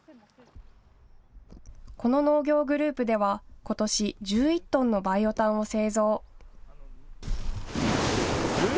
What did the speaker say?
この農業グループではことし、１１トンのバイオ炭を製造。